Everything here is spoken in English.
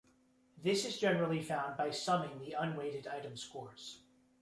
This is generally found by summing the un-weighted item scores.